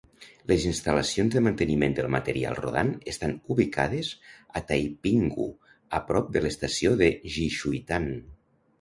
Les instal·lacions de manteniment del material rodant estan ubicades a Taipinghu, a prop de l'estació de Jishuitan.